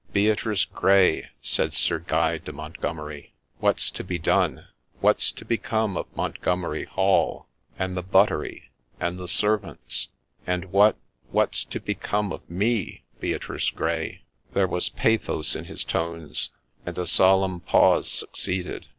' Beatrice Grey !' said Sir Guy de Montgomeri, ' what 's to be done ? What 's to become of Montgomeri Hall ?— and the buttery, — and the servants ? And what — what 's to become of me, Beatrice Grey ?'— There was pathos in his tones, and a solemn pause succeeded.